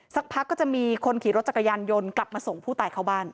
สักพักก็จะมีคนขี่รถจักรยานยนต์กลับมาส่งผู้ตายเข้าบ้าน